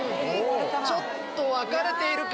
ちょっと分かれているか？